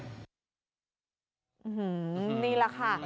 อื้อหือนี่แหละค่ะ